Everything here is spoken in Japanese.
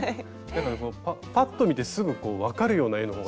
パッと見てすぐこう分かるような絵の方が。